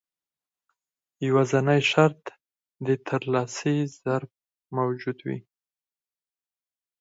يوازنی شرط د ترلاسي ظرف موجود وي.